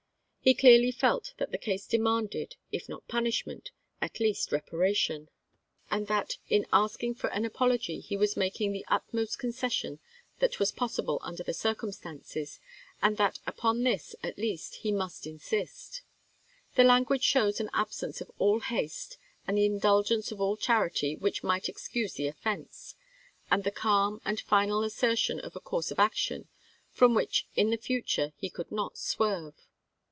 He clearly felt that the case demanded, if not punishment, at least reparation, and that Anderson to Pickens ANDERSON'S TRUCE 107 in asking for an apology he was making the ut chap.viii. most concession that was possible under the cir cumstances, and that upon this, at least, he must insist. The language shows an absence of all haste and the indulgence of all charity which might excuse the offense, and the calm and final asser tion of a course of action from which in the future he could not swerve.